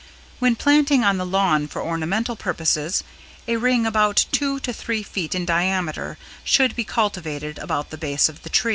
When planting on the lawn for ornamental purposes a ring from two to three feet in diameter should be cultivated about the base of the tree.